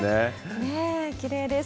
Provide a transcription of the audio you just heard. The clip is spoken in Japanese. きれいです。